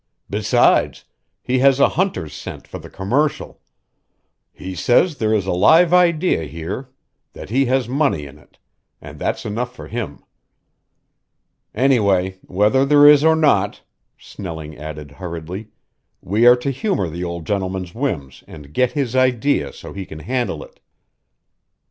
"Besides, he has a hunter's scent for the commercial. He says there is a live idea here that has money in it, and that's enough for him. Anyway, whether there is or not," Snelling added hurriedly, "we are to humor the old gentleman's whims and get his idea so he can handle it."